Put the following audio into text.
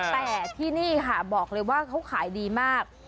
แต่ที่นี่ค่ะบอกเลยว่าเขาขายดีมาก